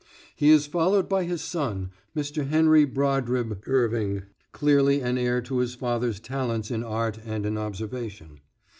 He is followed by his son, Mr. Henry Brodribb Irving, clearly an heir to his father's talents in art and in observation.